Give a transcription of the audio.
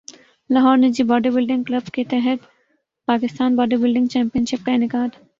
لاہور نجی body building club کے تحت Pakistan body building championship کا انعقاد